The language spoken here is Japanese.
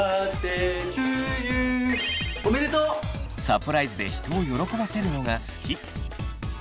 サプライズで人を喜ばせるのが好き。